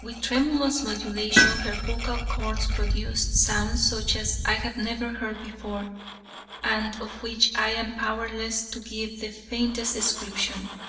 With tremulous modulation, her vocal chords produced sounds such as I had never heard before, and of which I am powerless to give the faintest description.